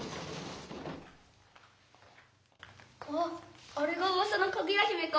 「あっあれがうわさのかぐや姫か」。